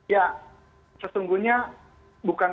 ya sesungguhnya bukan